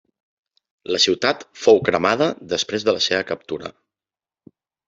La ciutat fou cremada després de la seva captura.